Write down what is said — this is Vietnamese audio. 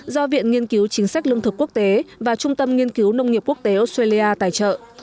do viện nghiên cứu chính sách lương thực quốc tế và trung tâm nghiên cứu nông nghiệp quốc tế australia tài trợ